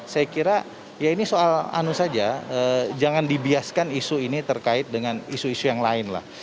saya kira ya ini soal anu saja jangan dibiaskan isu ini terkait dengan isu isu yang lain lah